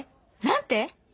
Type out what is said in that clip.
何て？